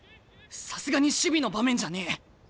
さすがに守備の場面じゃねえ。